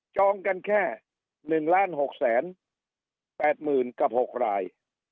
จองกันแค่หนึ่งล้านหกแสนแปดหมื่นกับหกราย